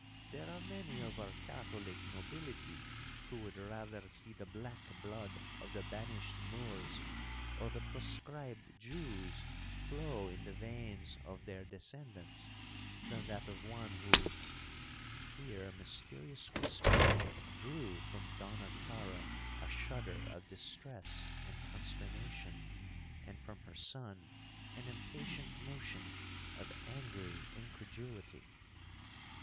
There are many of our Catholic nobility who would rather see the black blood of the banished Moors, or the proscribed Jews, flow in the veins of their descendants, that that of one who'—Here a mysterious whisper drew from Donna Clara a shudder of distress and consternation, and from her son an impatient motion of angry incredulity.